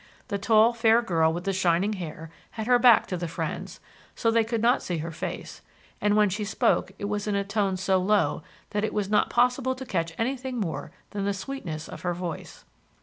The tall, fair girl with the shining hair had her back to the friends, so they could not see her face, and when she spoke it was in a tone so low that it was not possible to catch anything more than the sweetness of her voice.